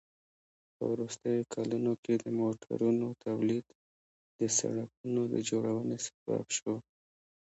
په وروستیو کلونو کې د موټرونو تولید د سړکونو د جوړونې سبب شو.